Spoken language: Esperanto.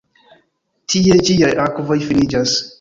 Tie ĝiaj akvoj finiĝas.